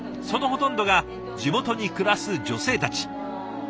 そのほとんどが地元に暮らす女性たち。